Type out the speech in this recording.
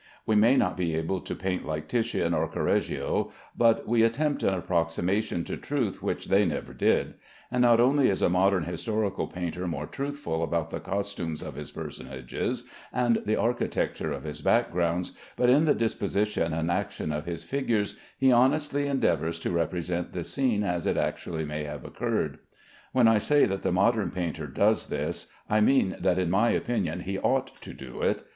We may not be able to paint like Titian or Correggio, but we attempt an approximation to truth which they never did; and not only is a modern historical painter more truthful about the costumes of his personages and the architecture of his backgrounds, but in the disposition and action of his figures he honestly endeavors to represent the scene as it actually may have occurred. When I say that the modern painter does this, I mean that in my opinion he ought to do it.